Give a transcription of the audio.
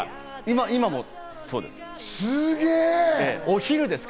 今もそうです。